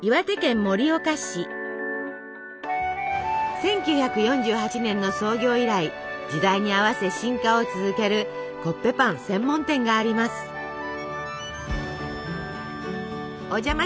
１９４８年の創業以来時代に合わせ進化を続けるコッペパン専門店があります。